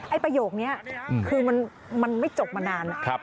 ไอ้ประโยคนี้อืมคือมันมันไม่จบมานานครับ